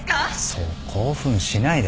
そう興奮しないで。